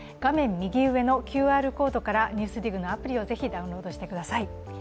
右上のＱＲコードから、「ＮＥＷＳＤＩＧ」のアプリをぜひ、ダウンロードしてください。